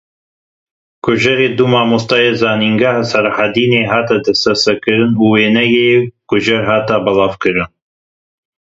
Kujerê du mamosteyên zanîngeha Selahedînê hat desteserkirin û wêneyê kujer hat belavkirin.